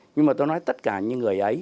nhưng mà tôi nói tất cả những người ấy